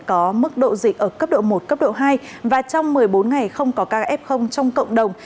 có mức độ dịch ở cấp độ một cấp độ hai và trong một mươi bốn ngày không có ca f trong cộng đồng